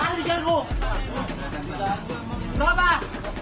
katanya sewa lahan sewa lahan siapa